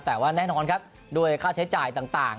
แต่ว่าแน่นอนครับด้วยค่าใช้จ่ายต่าง